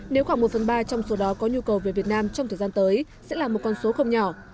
nếu khoảng một phần ba trong số đó có nhu cầu về việt nam trong thời gian tới sẽ là một con số không nhỏ